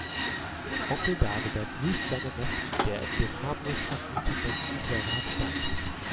Onkel Dagobert grüßt seinen Neffen, der in dem harmlos anmutenden Inserat stand.